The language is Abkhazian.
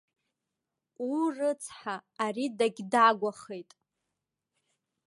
Уу, рыцҳа, ари дагьдагәахеит.